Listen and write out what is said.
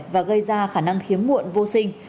và gây ra khả năng khiếm muộn vô sinh